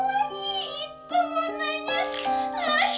ada yang sampe chitchat lagi